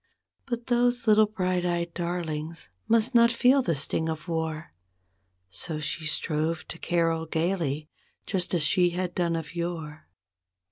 But those little bright eyed darlings must not feel the sting of war; So she strove to carol gaily, just as she had done of yore.